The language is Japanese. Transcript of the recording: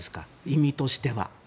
意味としては。